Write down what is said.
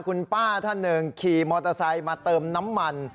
คุณป้าท่านหนึ่งขี่มอเตอร์ไซค์มาเติมน้ำมัน